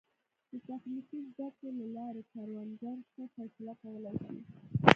د تخنیکي زده کړو له لارې کروندګر ښه فیصله کولی شي.